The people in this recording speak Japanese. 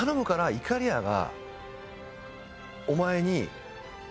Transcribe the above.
「いかりやが」。